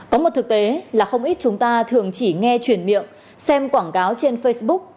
có một thực tế là không ít chúng ta thường chỉ nghe chuyển miệng xem quảng cáo trên facebook